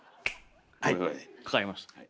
はいかかりました。